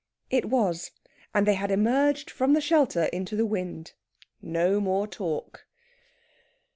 It was, and they had emerged from the shelter into the wind. No more talk!